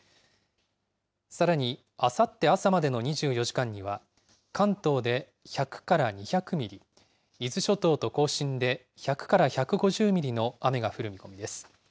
さらにあさって朝までの２４時間には、関東で１００から２００ミリ、伊豆諸島と甲信で１００から１５０ミリの雨が降る見込みです。